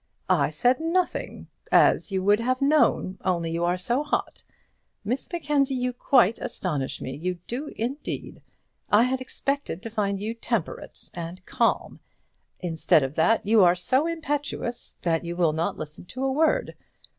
"I said nothing; as you would have known, only you are so hot. Miss Mackenzie, you quite astonish me; you do, indeed. I had expected to find you temperate and calm; instead of that, you are so impetuous, that you will not listen to a word.